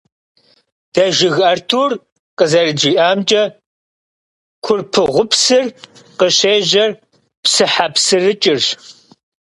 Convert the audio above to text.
Дэжыг Артур къызэрыджиӀамкӀэ, Курпыгъупсыр къыщежьэр «ПсыхьэпсырыкӀырщ».